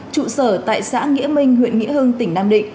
trụ sở tại xã nghĩa minh huyện nghĩa hưng tỉnh nam định